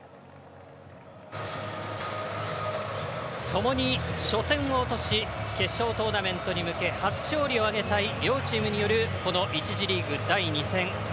ともに初戦を落とし決勝トーナメントに向け初勝利を挙げたい両チームによるこの１次リーグ第２戦。